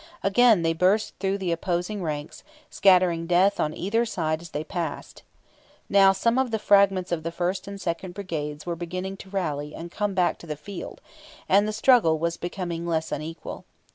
Again they burst through the opposing ranks, scattering death on either side as they passed. Now some of the fragments of the first and second brigades were beginning to rally and come back to the field, and the struggle was becoming less unequal.